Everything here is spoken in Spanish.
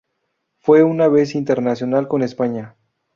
Fue una vez internacional con España.